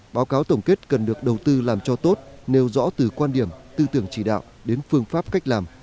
báo cáo tổng kết cần được đầu tư làm cho tốt nêu rõ từ quan điểm tư tưởng chỉ đạo đến phương pháp cách làm